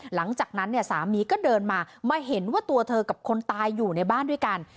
หลังจากนั้นเนี่ยสามีก็เดินมามาเห็นว่าตัวเธอกับคนตายอยู่ในบ้านด้วยกัน